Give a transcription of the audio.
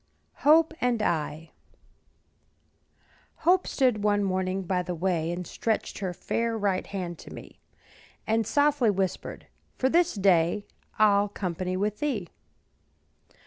HOPE AND I. Hope stood one morning by the way, And stretched her fair right hand to me, And softly whispered, "For this day I'll company with thee."